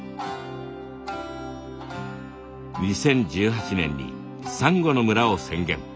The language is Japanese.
２０１８年にサンゴの村を宣言。